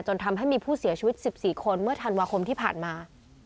ทำให้มีผู้เสียชีวิต๑๔คนเมื่อธันวาคมที่ผ่านมา